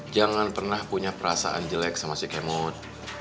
jangan pernah punya perasaan jelek sama si kemot